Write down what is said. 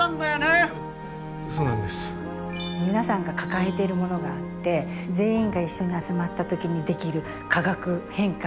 皆さんが抱えているものがあって全員が一緒に集まった時にできる化学変化